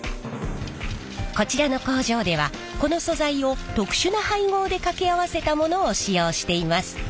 こちらの工場ではこの素材を特殊な配合で掛け合わせたものを使用しています。